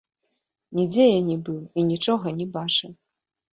Нідзе я не быў і нічога не бачыў.